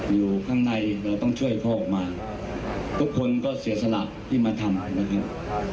อยู่ข้างในเราต้องช่วยพ่อออกมาทุกคนก็เสียสละที่มาทำนะครับ